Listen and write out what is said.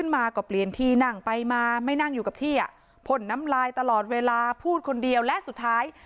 ไม่นั่งอยู่กับเที่ยผลน้ำลายตลอดเวลาพูดคนเดียวและสุดท้าย